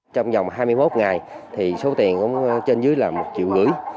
trong vòng hai mươi một ngày thì số tiền cũng trên dưới là một triệu gửi